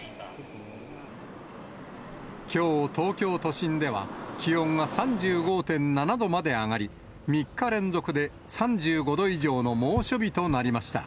きょう東京都心では、気温が３５．７度まで上がり、３日連続で３５度以上の猛暑日となりました。